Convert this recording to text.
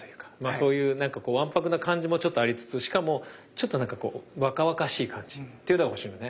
そういうなんかこうわんぱくな感じもちょっとありつつしかもちょっとなんかこう若々しい感じっていうのが面白いよね。